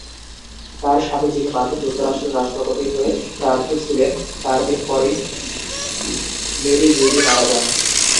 তার স্বামী, যিনি মার্কিন যুক্তরাষ্ট্রের রাষ্ট্রপতির হয়ে প্রার্থী ছিলেন, তার দিন পরেই মেরি গ্রিলি মারা যান।